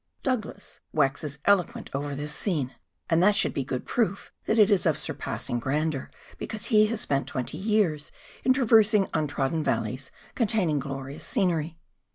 Douglas waxes eloquent over this scene, and that should be good proof that it is of surpassing grandeur, because he has spent twenty years in traversing untrodden valleys containing glorious scenery.